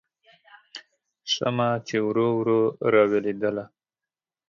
شمعه چې ورو ورو راویلېدله